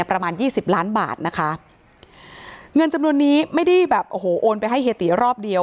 ประมาณยี่สิบล้านบาทนะคะเงินจำนวนนี้ไม่ได้โอนไปให้เหตุอย่างรอบเดียว